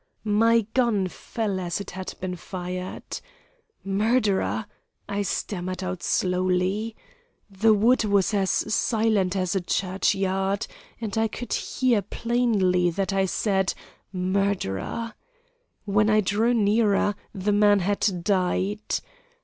"My gun fell as it had been fired. 'Murderer,' I stammered out slowly the wood was as silent as a churchyard, and I could hear plainly that I said 'murderer.' When I drew nearer, the man had died.